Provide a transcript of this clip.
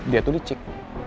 dia tuh licik